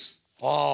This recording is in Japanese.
ああ。